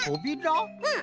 うん。